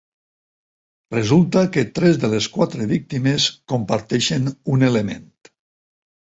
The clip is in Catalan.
Resulta que tres de les quatre víctimes comparteixen un element.